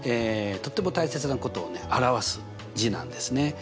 とっても大切なことを表す字なんですね。